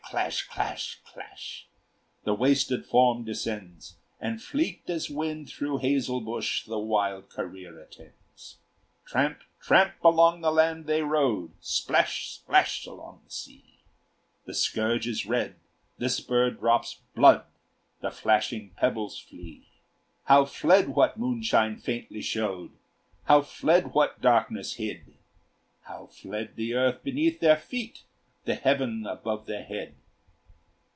clash, clash, clash! The wasted form descends; And fleet as wind through hazel bush The wild career attends. Tramp! tramp! along the land they rode, Splash! splash! along the sea; The scourge is red, the spur drops blood, The flashing pebbles flee. How fled what moonshine faintly showed! How fled what darkness hid! How fled the earth beneath their feet, The heaven above their head!